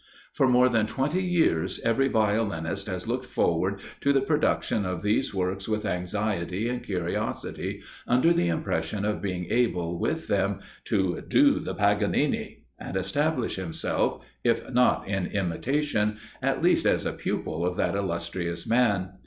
For more than twenty years every violinist has looked forward to the production of these works with anxiety and curiosity, under the impression of being able, with them, to "do the Paganini," and establish himself, if not in imitation, at least as a pupil of that illustrious man.